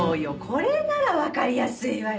これならわかりやすいわよ。